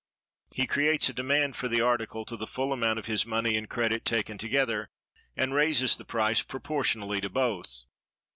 He creates a demand for the article to the full amount of his money and credit taken together, and raises the price proportionally to both.